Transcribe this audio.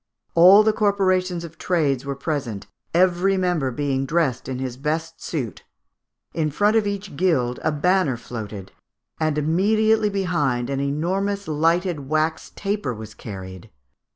"All the corporations of trades were present, every member being dressed in his best suit." In front of each guild a banner floated; and immediately behind an enormous lighted wax taper was carried.